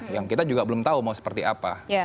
yang kita juga belum tahu mau seperti apa